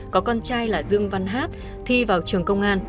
có con trai là dương văn hát thi vào trường công an